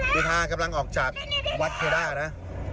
พากำลังออกจากวัดเพดานะ